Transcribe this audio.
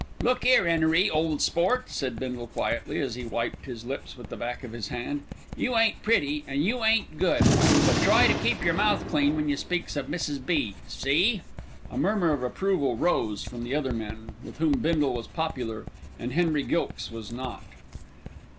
"Look 'ere, 'Enery, ole sport," said Bindle quietly, as he wiped his lips with the back of his hand, "you ain't pretty, an' you ain't good; but try an' keep yer mouth clean when you speaks of Mrs. B. See?" A murmur of approval rose from the other men, with whom Bindle was popular and Henry Gilkes was not.